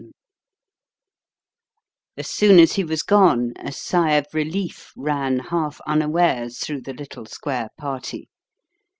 VII As soon as he was gone, a sigh of relief ran half unawares through the little square party.